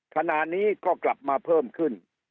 ขณะนี้ก็กลับมาเพิ่มขึ้น